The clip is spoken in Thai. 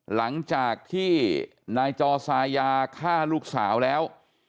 หลังจากที่นายจอสายาฆ่าลูกสาวแล้ว